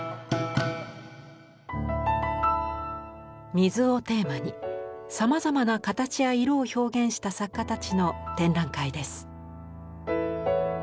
水をテーマにさまざまなかたちやいろを表現した作家たちの展覧会です。